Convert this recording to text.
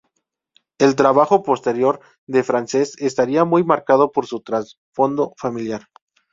El trabajo posterior de Frances estaría muy marcado por su trasfondo familiar.